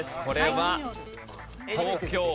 これは東京。